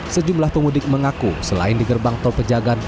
sejumlah pemudik mengaku selain di gerbang tol pejagan